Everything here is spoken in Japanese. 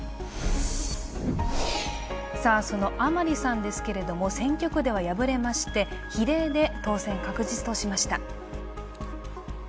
甘利さんですけれども選挙区では敗れまして比例で当選確実としました。